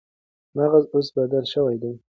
مغز اوس بدل شوی دی.